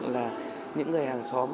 là những người hàng xóm